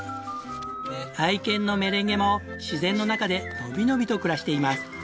愛犬のメレンゲも自然の中でのびのびと暮らしています。